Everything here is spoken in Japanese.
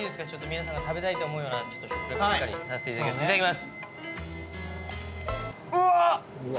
皆さんが食べたいと思うような食レポしっかりさせていただきます。